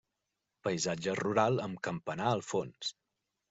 Paisatge rural amb campanar al fons.